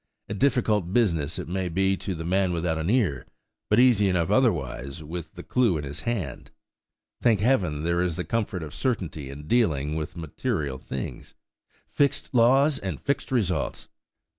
"A difficult business it may be to the man without an ear, but easy enough otherwise, with the clue in his hand. Thank Heaven, there is the comfort of certainty in dealing with material things! Fixed laws, and fixed results!